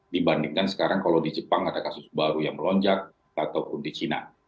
dibandingkan sekarang kalau di jepang ada kasus baru yang melonjak ataupun di china